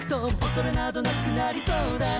「恐れなどなくなりそうだな」